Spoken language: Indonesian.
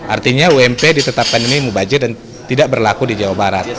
artinya ump ditetapkan ini mubajir dan tidak berlaku di jawa barat